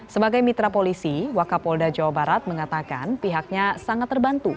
sebagai mitra polisi wakapolda jawa barat mengatakan pihaknya sangat terbantu